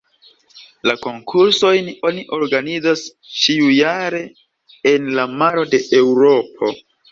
La konkursojn oni organizas ĉiujare en la maro de Eŭropo.